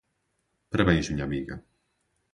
Parabéns minha amiga.